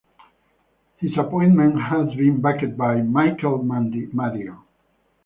His appointment had been backed by Michael Madigan.